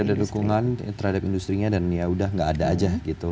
ada dukungan terhadap industri nya dan ya udah gak ada aja gitu